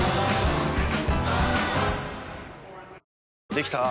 できたぁ。